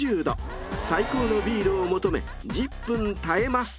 ［最高のビールを求め１０分耐えます］